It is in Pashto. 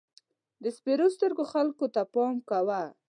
د سپېرو سترګو خلکو ته پام کوه.